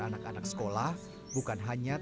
anak anak sekolah bukan hanya